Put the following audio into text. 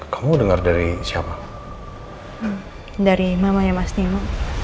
kamu dengar dari siapa dari mama ya mas demo